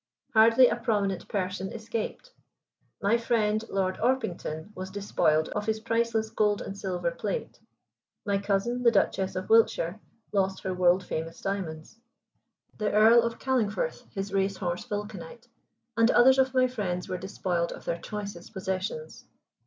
Hardly a prominent person escaped. My friend Lord Orpington was despoiled of his priceless gold and silver plate; my cousin, the Duchess of Wiltshire, lost her world famous diamonds; the Earl of Calingforth his race horse "Vulcanite;" and others of my friends were despoiled of their choicest possessions.